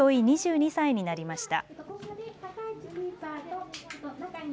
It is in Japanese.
２２歳になりました。